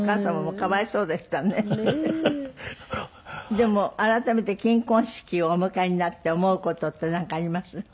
でも改めて金婚式をお迎えになって思う事って何かあります？